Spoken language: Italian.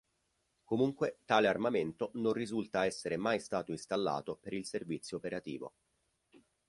Comunque, tale armamento non risulta essere mai stato installato per il servizio operativo.